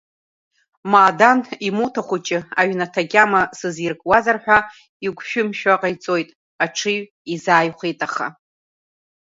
Маадан имоҭа хәыҷы аҩнаҭа агьама сызиркуазар ҳәа игәшәамшәа ҟаиҵоит, аҽыҩ изааихәеит аха…